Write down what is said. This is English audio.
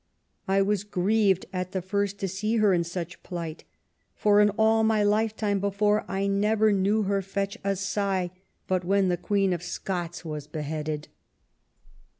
I was grieved at the first to see her in such plight ; for in all my lifetime before I never knew her fetch a sigh but when the Queen of Scots was beheaded.